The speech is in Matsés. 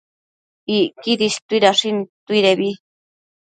Icquidi istuidashi nidtuidebi